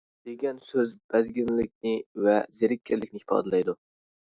دېگەن سۆز، بەزگەنلىكنى ۋە زېرىككەنلىكنى ئىپادىلەيدۇ.